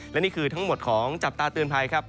และนี่คือทั้งหมดของจับตาเตือนภัยครับ